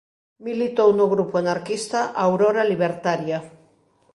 Militou no grupo anarquista Aurora Libertaria.